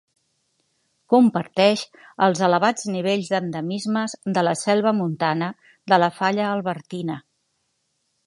Comparteix els elevats nivells d'endemismes de la selva montana de la falla Albertina.